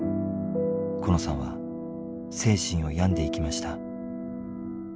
コノさんは精神を病んでいきました。